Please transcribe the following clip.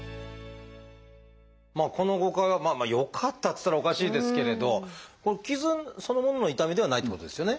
まあこの誤解はよかったっつったらおかしいですけれど傷そのものの痛みではないってことですよね？